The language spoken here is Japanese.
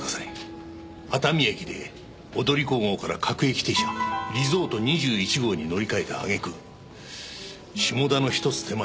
熱海駅で踊り子号から各駅停車リゾート２１号に乗り換えたあげく下田の１つ手前